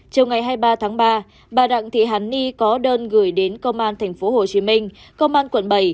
chiều ngày hai mươi ba tháng ba bà đặng thị hàn ni có đơn gửi đến công an tp hcm công an quận bảy